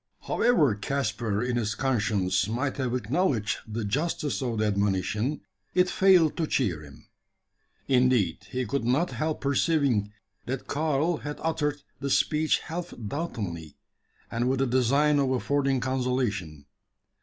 However Caspar in his conscience might have acknowledged the justice of the admonition, it failed to cheer him. Indeed, he could not help perceiving, that Karl had uttered the speech half doubtingly, and with the design of affording consolation.